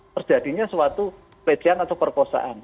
terjadinya suatu pelecehan atau perkosaan